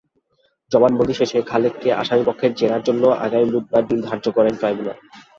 জবানবন্দি শেষে খালেককে আসামিপক্ষের জেরার জন্য আগামী বুধবার দিন ধার্য করেন ট্রাইব্যুনাল।